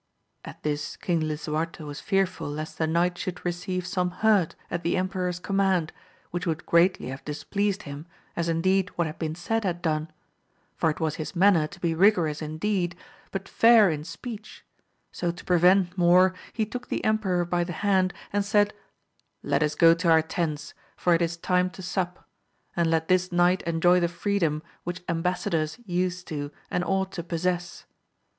At this King Lisuarte was fearful lest the knight should receive some hurt at the em peror's command, which would greatly have displeased him, as indeed what had been said had done ; for it was his manner to be rigorous in deed, but fair in speech ; so to prevent more, he took the emperor by the hand and said, Let us go to our tents, for it is 160 AMADIS OF GAUL time to sup ; and let this knight enjoy the freedom which embassadors use to and ought to possess.